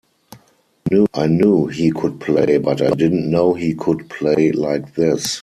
I knew he could play, but I didn't know he could play like this.